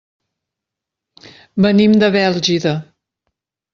Venim de Bèlgida.